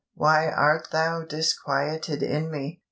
and why art thou disquieted in me?